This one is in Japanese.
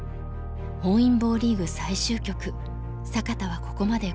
本因坊リーグ最終局坂田はここまで５勝１敗。